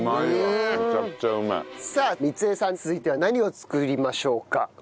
さあ光恵さん続いては何を作りましょうか？